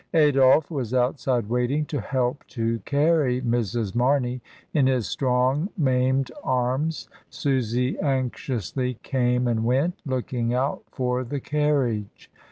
Adolphe was outside waiting to help to carry Mrs. Mamey in his strong maimed arms, Susy anxiously came and went, looking out for the carriage.